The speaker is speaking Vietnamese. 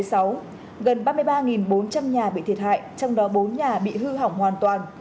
gần ba mươi ba bốn trăm linh nhà bị thiệt hại trong đó bốn nhà bị hư hỏng hoàn toàn